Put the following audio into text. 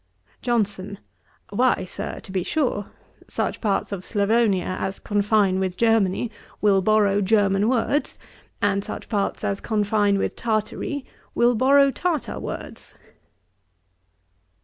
JOHNSON. 'Why, Sir, to be sure, such parts of Sclavonia as confine with Germany, will borrow German words; and such parts as confine with Tartary will borrow Tartar words.'